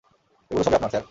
এগুলো সবই আপনার, স্যার।